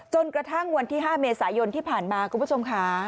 จนกระทั่งวันที่๕เมษายนที่ผ่านมาคุณผู้ชมค่ะ